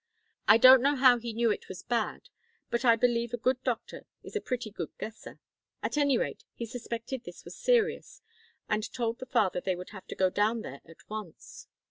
I don't know how he knew it was bad, but I believe a good doctor is a pretty good guesser. At any rate he suspected this was serious, and told the father they would have to go down there at once.